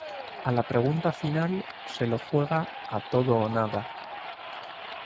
A la pregunta final, se lo juega a "todo o nada".